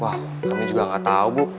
wah kami juga gak tau bu